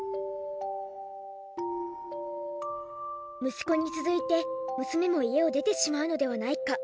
息子に続いて娘も家を出てしまうのではないか。